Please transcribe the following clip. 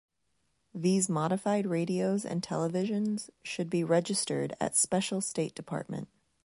These modified radios and televisions should be registered at special state department.